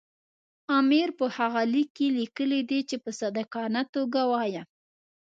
امیر په هغه لیک کې لیکلي دي چې په صادقانه توګه وایم.